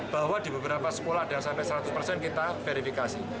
bahwa di beberapa sekolah ada yang sampai seratus persen kita verifikasi